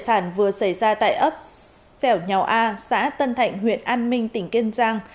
một vụ án giết người cướp tài sản vừa xảy ra tại ấp sẻo nhào a xã tân thạnh huyện an minh tỉnh kiên giang